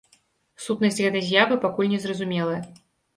Сутнасць гэтай з'явы пакуль не зразумелая.